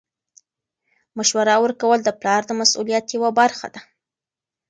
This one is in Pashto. مشوره ورکول د پلار د مسؤلیت یوه برخه ده.